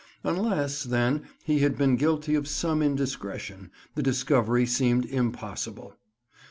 Unless, then, he had been guilty of some indiscretion, the discovery seemed impossible.